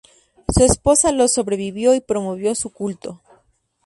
Su esposa lo sobrevivió y promovió su culto.